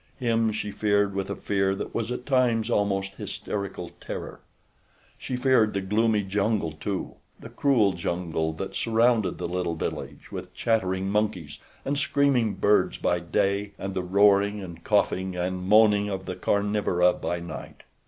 Him she feared with a fear that was at times almost hysterical terror. She feared the gloomy jungle too—the cruel jungle that surrounded the little village with chattering monkeys and screaming birds by day and the roaring and coughing and moaning of the carnivora by night.